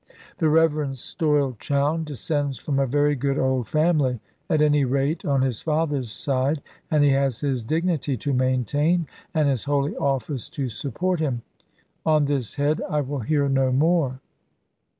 The Reverend Stoyle Chowne descends from a very good old family, at any rate on his father's side; and he has his dignity to maintain, and his holy office to support him. On this head, I will hear no more."